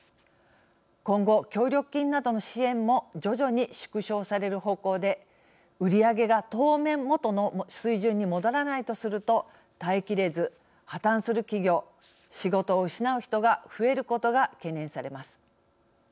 今後、協力金などの支援も徐々に縮小される方向で売り上げが当面元の水準に戻らないとすると耐えきれず、破綻する企業仕事を失う人が増えることが懸念されます。